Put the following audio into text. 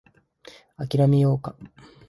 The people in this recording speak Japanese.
諦めようか